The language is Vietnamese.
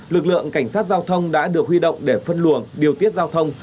lực lượng cảnh sát giao thông đã được huy động để phân luồng điều tiết giao thông